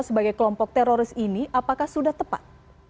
sebagai kelompok teroris ini apakah sudah tepat